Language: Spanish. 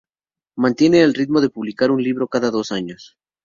Mantiene el ritmo de publicar un libro cada dos años.